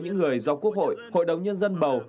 những người do quốc hội hội đồng nhân dân bầu